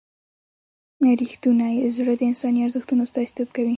رښتونی زړه د انساني ارزښتونو استازیتوب کوي.